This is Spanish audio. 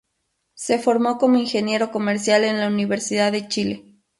Se formó como ingeniero comercial en la Universidad de Chile.